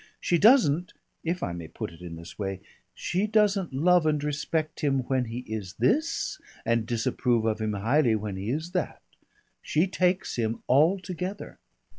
She doesn't if I may put it in this way she doesn't love and respect him when he is this, and disapprove of him highly when he is that; she takes him altogether.